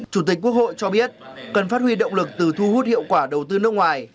chủ tịch quốc hội cho biết cần phát huy động lực từ thu hút hiệu quả đầu tư nước ngoài